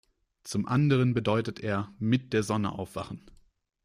Zum anderen bedeutet er „mit der Sonne aufwachen“.